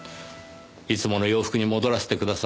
いつもの洋服に戻らせてください。